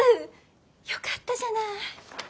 よかったじゃない。